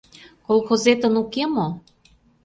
Колхозетын уке мо?